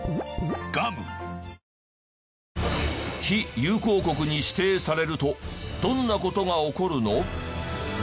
非友好国に指定されるとどんな事が起こるの？